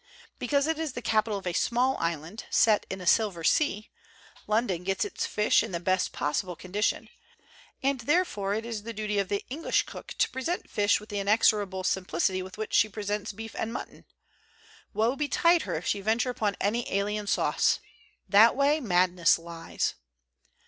Because it is the capital of a small island, "set in a silver sea," London gets its fish in the best possible condi tion; and therefore it is the duty of the English cook to present fish with the inexorable sim plicity with which she presents beef and mut ton. Woe betide her if she venture upon any alien sauce ! That way madness lies